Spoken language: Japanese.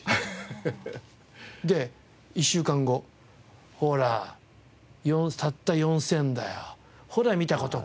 で１週間後「ほらたった４０００だよ。ほら見た事か」。